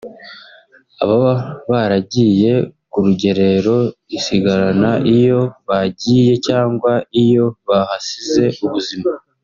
ababa baragiye ku rugerero isigarana iyo bagiye cyangwa iyo bahasize ubuzima